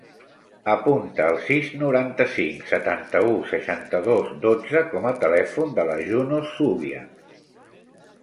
Apunta el sis, noranta-cinc, setanta-u, seixanta-dos, dotze com a telèfon de la Juno Zubia.